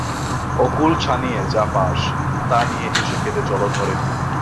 অকূল ছানিয়ে যা পাস তা নিয়ে হেসে কেঁদে চলো ঘরে ফিরে।